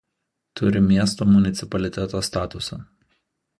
Turi miesto municipaliteto statusą.